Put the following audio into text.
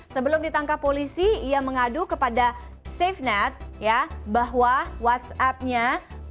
sebelum ditangkap polisi ia mengadu kepada safenet bahwa whatsappnya whatsapp milik rafio